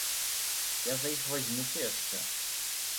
Я за іх вазьмуся яшчэ!